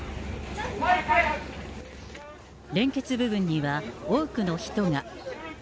連結部分には多くの人が。